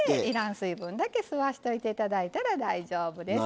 水分だけ吸わしといて頂いたら大丈夫です。